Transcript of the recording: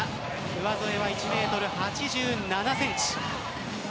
上背は１ｍ８７ｃｍ。